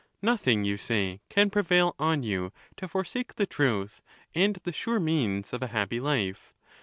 Nothing, you say, can prevail on you to forsake the truth and the sure means of a happy life.